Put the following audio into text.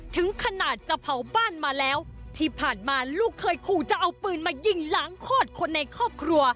ถึงขนาดจะเผาบ้านมาแล้วที่ผ่านมาลูกเคยขู่จะเอาปืนมายิงหลังคลอดคนในครอบครัว